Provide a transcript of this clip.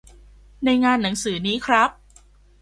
ในงานหนังสือนี้ครับ